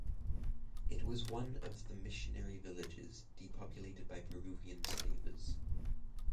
It was one of the missionary villages depopulated by Peruvian slavers.